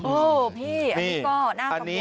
พี่อันนี้ก็น่ากังวล